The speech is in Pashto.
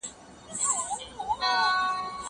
مېوې د زهشوم له خوا خورل کيږي!؟